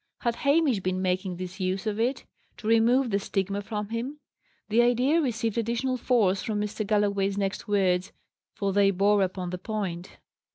Had Hamish been making this use of it to remove the stigma from him? The idea received additional force from Mr. Galloway's next words: for they bore upon the point.